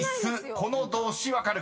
この動詞分かる方］